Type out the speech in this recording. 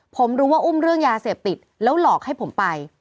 ผมรู้ว่าอุ้มเรื่องยาเสพติดแล้วหลอกให้ผมไป